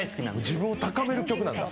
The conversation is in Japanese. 自分を高める曲なんだ。